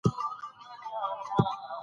د ځان او کورنۍ لپاره یې ولګوئ.